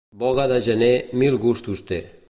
Boga de gener mil gustos té.